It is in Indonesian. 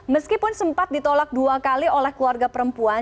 meskipun sempat ditolak dua kali oleh keluarga perempuan